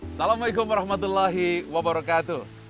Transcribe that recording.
assalamualaikum warahmatullahi wabarakatuh